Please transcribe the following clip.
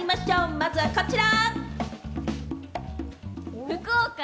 まずはこちら。